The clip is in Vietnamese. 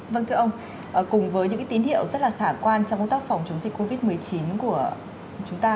vâng thưa ông cùng với những tín hiệu rất là khả quan trong công tác phòng chống dịch covid một mươi chín của chúng ta